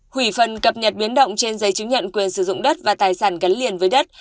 hủy phần cập nhật biến động trên giấy chứng nhận quyền sử dụng đất và tài sản gắn liền với đất